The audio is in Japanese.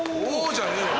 じゃねえよ。